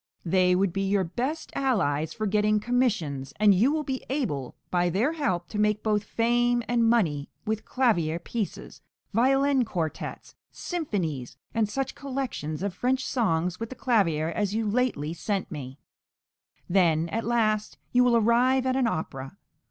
They would be your best allies for getting commissions; and you will be able, by their help, to make both fame and money with clavier pieces, violin quartets, symphonies, and such collections of French songs with the clavier as you lately sent me; then, at last, you will arrive at an opera.